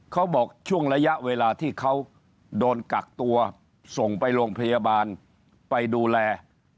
เขาบอกช่วงระยะเวลาที่เขาโดนกักตัวส่งไปโรงพยาบาลไปดูแล